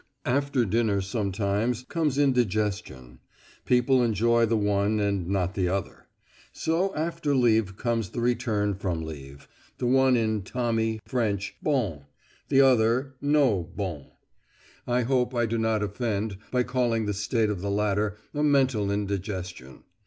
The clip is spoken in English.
After dinner sometimes comes indigestion: people enjoy the one and not the other. So after leave comes the return from leave, the one in Tommy French bon, the other no bon. I hope I do not offend by calling the state of the latter a mental indigestion!